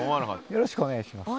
よろしくお願いします。